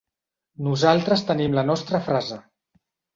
Nosaltres tenim la nostra frase.